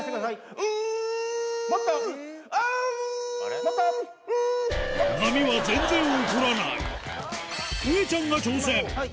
うえちゃんが挑戦。